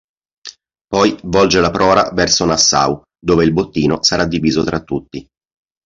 Poi volge la prora verso Nassau, dove il bottino sarà diviso tra tutti.